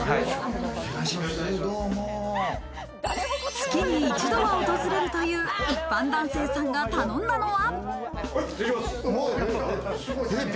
月に一度は訪れるという一般男性さんが頼んだのは。